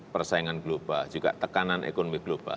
persaingan global juga tekanan ekonomi global